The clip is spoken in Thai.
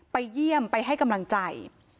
ไปเยี่ยมไปให้กำลังใจ